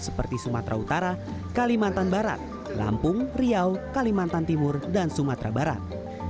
seperti sumatera utara kalimantan barat lampung riau kalimantan timur dan sumatera barat